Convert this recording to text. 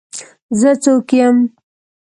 زه څوک یم.